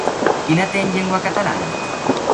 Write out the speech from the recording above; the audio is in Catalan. Quina té en llengua catalana?